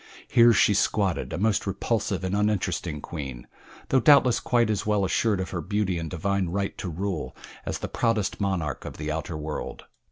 Here she squatted, a most repulsive and uninteresting queen; though doubtless quite as well assured of her beauty and divine right to rule as the proudest monarch of the outer world.